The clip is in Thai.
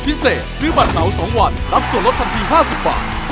ซื้อบัตรเหมา๒วันรับส่วนลดทันที๕๐บาท